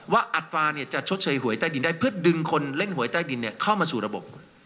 อัตราจะชดเชยหวยใต้ดินได้เพื่อดึงคนเล่นหวยใต้ดินเข้ามาสู่ระบบ